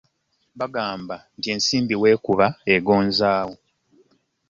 Bagamba nti ensimbi weekuba egozaawo.